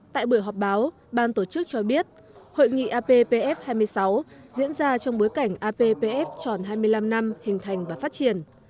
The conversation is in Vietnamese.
tại buổi họp báo ban tổ chức cho biết hội nghị appf hai mươi sáu diễn ra trong bối cảnh appf tròn hai mươi năm năm hình thành và phát triển